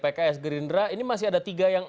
pks gerindra ini masih ada tiga yang